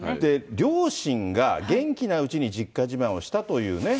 両親が元気なうちに実家じまいをしたいというね。